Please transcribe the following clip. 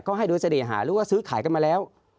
ก็ให้โดยเสน่หาหรือว่าซื้อขายกันมาแล้ว